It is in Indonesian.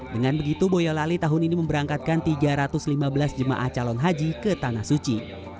dengan begitu boyolali tahun ini memberangkatkan tiga ratus lima belas jemaah calon haji ke tanah suci